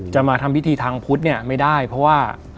มาทำพิธีทางพุทธเนี่ยไม่ได้เพราะว่า